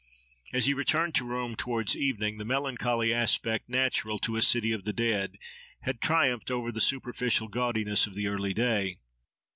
As he returned to Rome towards evening the melancholy aspect, natural to a city of the dead, had triumphed over the superficial gaudiness of the early day.